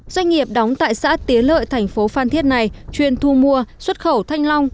doanh nghiệp đóng tại xã tiến lợi thành phố phan thiết này chuyên thu mua xuất khẩu thanh long